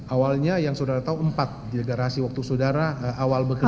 awalnya yang saudara tahu empat delegarasi waktu saudara awal bekerja